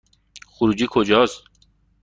خروجی کجاست؟